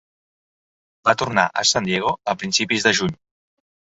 Va tornar a San Diego a principis de juny.